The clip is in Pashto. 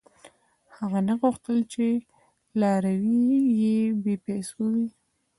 • هغه نه غوښتل، چې لاروي یې بېپېسو وي.